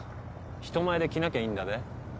人前で着なきゃいいんだべ。